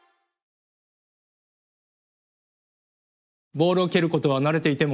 ボールを蹴ることは慣れていても。